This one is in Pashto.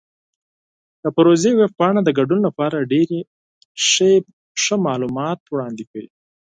د پروژې ویب پاڼه د ګډون لپاره ډیرې مفیدې معلومات وړاندې کوي.